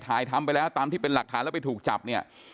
ทำไปแล้วตามที่เป็นหลักฐานแล้วไปถูกจับเนี่ย